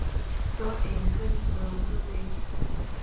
So é ñgeñ me be wé,